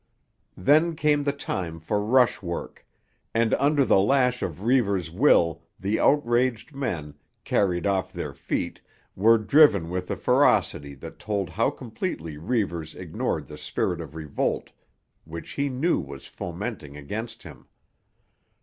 Then came the time for rush work, and under the lash of Reivers' will the outraged men, carried off their feet, were driven with a ferocity that told how completely Reivers ignored the spirit of revolt which he knew was fomenting against him.